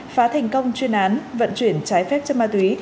phá thành công chuyên án vận chuyển trái phép chất ma túy